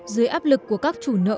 dưới áp lực của các chủ nợ